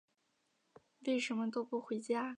为什么都不回家？